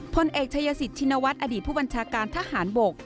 พลเอกชายสิทธินวัฒน์อดีตผู้บัญชาการทหารบก